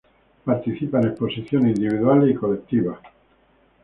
Participa en exposiciones individuales y colectivas.